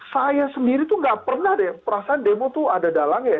saya sendiri itu tidak pernah deh perasaan demo itu ada dalangnya